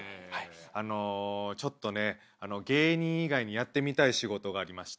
あのちょっとね芸人以外にやってみたい仕事がありまして。